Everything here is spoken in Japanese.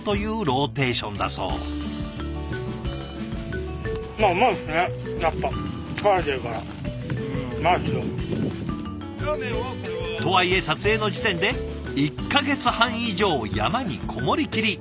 ウマいっすよ。とはいえ撮影の時点で１か月半以上山に籠もりきり。